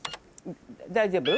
大丈夫？